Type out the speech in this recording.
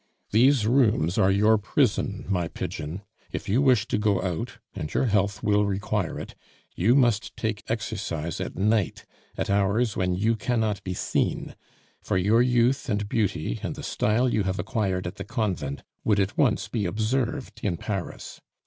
These rooms are your prison, my pigeon. If you wish to go out and your health will require it you must take exercise at night, at hours when you cannot be seen; for your youth and beauty, and the style you have acquired at the Convent, would at once be observed in Paris.